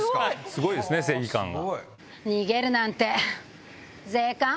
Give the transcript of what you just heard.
すごいですね正義感が。